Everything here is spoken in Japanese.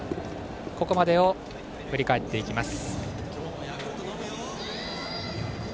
ここまでを振り返っていきます。